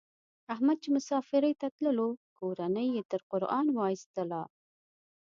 احمد چې مسافرۍ ته تللو کورنۍ یې تر قران و ایستلا.